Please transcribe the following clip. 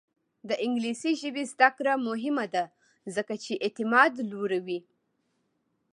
د انګلیسي ژبې زده کړه مهمه ده ځکه چې اعتماد لوړوي.